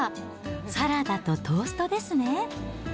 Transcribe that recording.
サラダとトーストですね。